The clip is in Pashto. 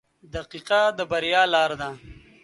• دقیقه د بریا لار ده.